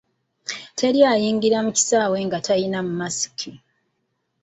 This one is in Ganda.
Teri ayingira mu kisaawe nga talina masiki.